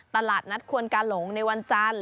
ตลาดนัดควนกาหลงในวันจันทร์